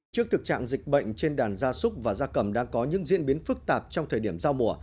trước thực trạng dịch bệnh trên đàn gia súc và gia cầm đang có những diễn biến phức tạp trong thời điểm giao mùa